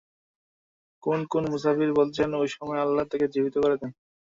কোন কোন মুফাসসির বলেছেন, ঐ সময় আল্লাহ তাকে জীবিত করে দেন।